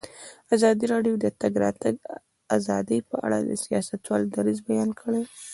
ازادي راډیو د د تګ راتګ ازادي په اړه د سیاستوالو دریځ بیان کړی.